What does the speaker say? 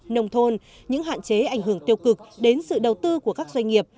nông thôn những hạn chế ảnh hưởng tiêu cực đến sự đầu tư của các doanh nghiệp